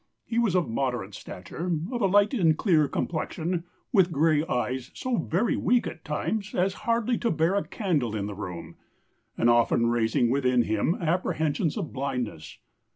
He was of moderate stature, of a light and clear complexion, with gray eyes so very weak at times as hardly to bear a candle in the room, and often raising within him apprehensions of blindness.